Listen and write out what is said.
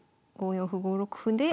５四歩５六歩で。